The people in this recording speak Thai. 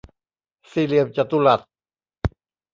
สี่เหลี่ยมจัตุรัส